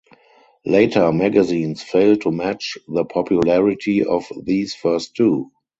Later magazines failed to match the popularity of these first two.